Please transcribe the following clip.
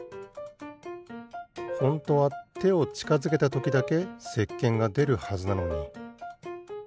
ホントはてをちかづけたときだけせっけんがでるはずなのに。